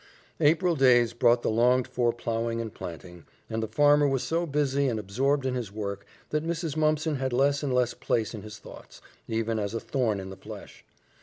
April days brought the longed for plowing and planting, and the farmer was so busy and absorbed in his work that Mrs. Mumpson had less and less place in his thoughts, even as a thorn in the flesh.